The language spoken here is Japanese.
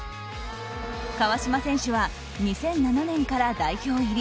川島選手は２００７年から代表入り。